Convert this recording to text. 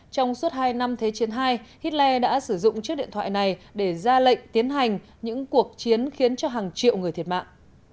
trong suốt hai năm thế chiến hai hitler đã sử dụng chiếc điện thoại này để ra lệnh tiến hành những cuộc chiến khiến cho hàng triệu người thiệt mạng